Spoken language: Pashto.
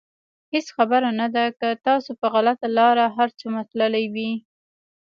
هېڅ خبره نه ده که تاسو په غلطه لاره هر څومره تللي وئ.